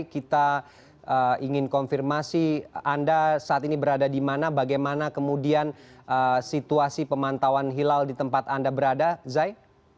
kita ingin konfirmasi anda saat ini berada di mana bagaimana kemudian situasi pemantauan hilal di tempat anda berada zai